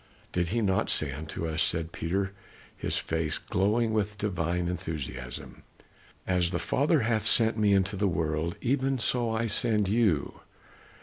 "Did he not say unto us," said Peter, his face glowing with divine enthusiasm, "'As the Father hath sent me into the world, even so send I you?